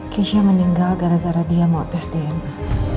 keisha meninggal gara gara dia mau tes dna